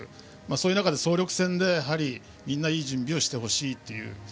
そういう中で総力戦でみんな、いい準備をしてほしいと。